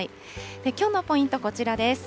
きょうのポイント、こちらです。